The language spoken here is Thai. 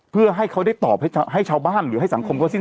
เพื่อให้เขาได้ตอบให้ชาวบ้านหรือให้สังคมเขาสิ้น